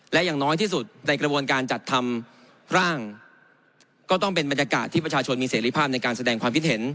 และอย่างน้อยที่สุดในกระบวนการจัดทำร่างก็ต้องเป็นบรรยากาศที่ประชาชนมีเสรีภาพในการแสดงความคิดเห็น